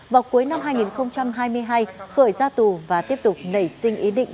vào cuối năm hai nghìn hai mươi hai khởi ra tù và tiếp tục nảy sinh ý định